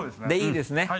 でいいですね？